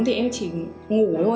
thì em chỉ ngủ thôi